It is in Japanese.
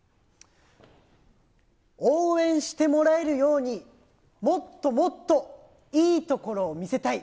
応援してもらえるように、もっともっと、いいところを見せたい。